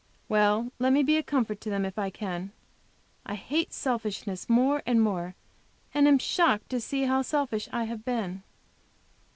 Well, let me be a comfort to them if I can! I hate selfishness more and more, and am shocked to see how selfish I have been.